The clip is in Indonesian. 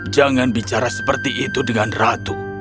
jangan bicara seperti itu dengan ratu